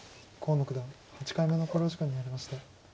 河野九段８回目の考慮時間に入りました。